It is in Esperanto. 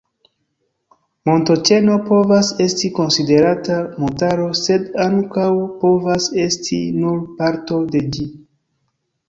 Montoĉeno povas esti konsiderata montaro, sed ankaŭ povas esti nur parto de ĝi.